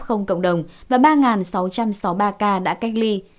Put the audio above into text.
sáu f cộng đồng và ba sáu trăm sáu mươi ba ca đã cách ly